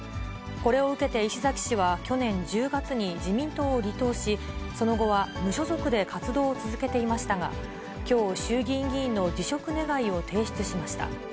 これを受けて石崎氏は、去年１０月に自民党を離党し、その後は無所属で活動を続けていましたが、きょう、衆議院議員の辞職願を提出しました。